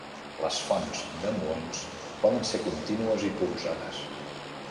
Les fonts de muons poden ser contínues i polsades.